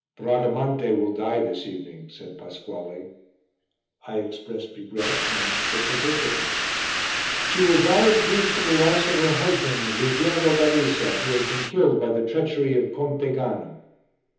"Bradamante will die this evening," said Pasquale. I expressed regret, and asked for particulars. "She will die of grief for the loss of her husband, Ruggiero da Risa, who has been killed by the treachery of Conte Gano."